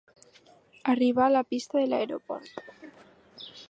Arribar a la pista de l'aeroport.